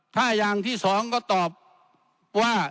ถ้าอย่างที่สองก็ตอบว่า